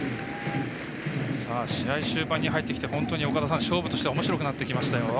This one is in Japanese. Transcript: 試合終盤に入ってきて本当に勝負としておもしろくなってきましたよ。